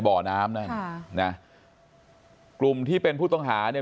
บ่อน้ำนั่นค่ะนะกลุ่มที่เป็นผู้ต้องหาเนี่ย